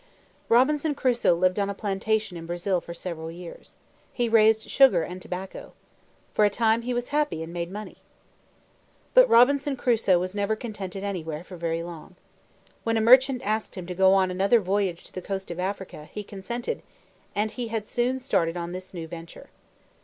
Robinson Crusoe lived on a plantation in Brazil for several years. He raised sugar and tobacco. For a time he was happy and made money. But Robinson Crusoe was never contented anywhere for very long. When a merchant asked him to go on another voyage to the coast of Africa, he consented, and he had soon started on this new venture.